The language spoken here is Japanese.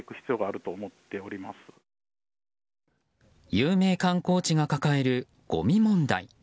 有名観光地が抱えるごみ問題。